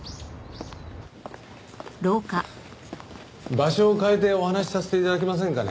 場所を変えてお話させて頂けませんかね？